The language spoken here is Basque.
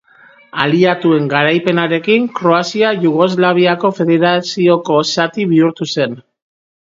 Aliatuen garaipenarekin, Kroazia Jugoslaviako Federazioko zati bihurtu zen.